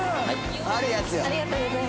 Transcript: はい。